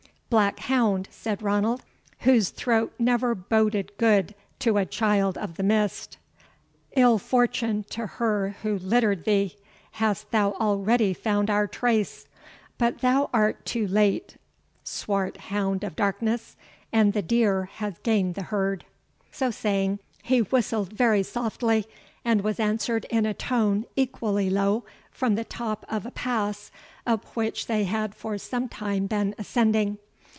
"Black hound," said Ranald, "whose throat never boded good to a Child of the Mist, ill fortune to her who littered thee! hast thou already found our trace? But thou art too late, swart hound of darkness, and the deer has gained the herd." So saying, he whistled very softly, and was answered in a tone equally low from the top of a pass, up which they had for some time been ascending.